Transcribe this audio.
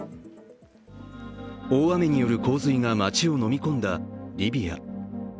大雨による洪水が街をのみ込んだリビア。